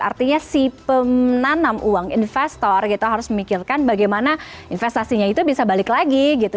artinya si penanam uang investor gitu harus memikirkan bagaimana investasinya itu bisa balik lagi gitu